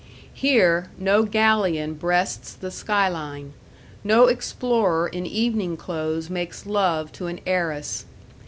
Here, no galleon breasts the sky line; no explorer in evening clothes makes love to an heiress.